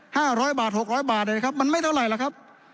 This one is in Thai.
ห้าร้อยบาทหกร้อยบาทนะครับมันไม่เท่าไหร่ล่ะครับ